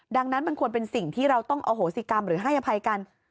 ดังนั้นมันควรเป็นสิ่งที่เราต้องอโหสิกรรมหรือให้อภัยกัน